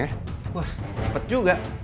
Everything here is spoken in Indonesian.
wah cepet juga